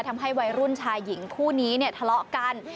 ทำให้วัยรุ่นชายหญิงคู่นี้เนี่ยทะเลาะกัน